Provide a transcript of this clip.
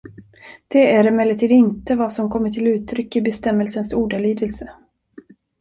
Det är emellertid inte vad som kommer till uttryck i bestämmelsens ordalydelse.